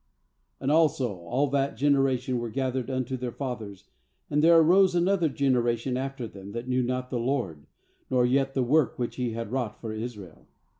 10And also all that generation were gathered unto their fathers; and there arose another generation after them, that knew not the LORD, nor yet the work which He had wrought for Israel.